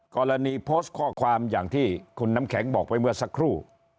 กรณีโพสต์ข้อความอย่างที่คุณน้ำแข็งบอกไปเมื่อสักครู่